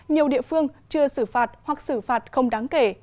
nhiều địa phương chưa xử phạt hoặc xử phạt không đáng kể